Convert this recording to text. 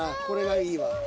これがいいわ